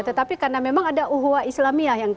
tetapi karena memang ada uhwa islamia